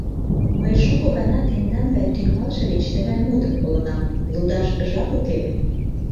Мый шуко гана тендан гай «тӱҥалше» деч тыгай мутым колынам: «Лудаш жап уке».